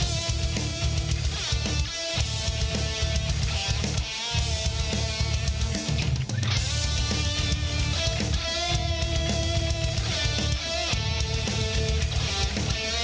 สวัสดีครับ